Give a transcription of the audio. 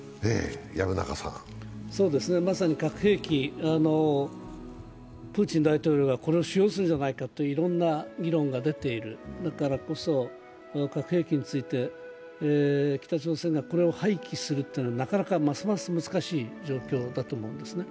まさに核兵器、プーチン大統領がこれを使用するのではないかといろいろな議論が出ている、だからこそ核兵器について北朝鮮がこれを廃棄するというのはますます難しい状況だと思うんですね。